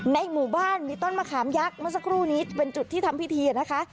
ในหมู่บ้านมีต้นมะขามยักษ์เมื่อสักครู่นี้เป็นจุดที่ทำพิธีนะคะ